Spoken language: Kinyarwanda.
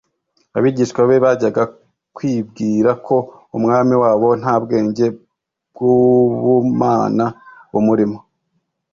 abigishwa be bajyaga kwibwira ko Umwami wabo nta bwenge bw'ubumana bumurimo.